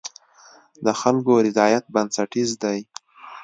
د خلکو رضایت بنسټیز دی.